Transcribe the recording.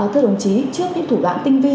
thưa đồng chí trước những thủ đoạn tinh vi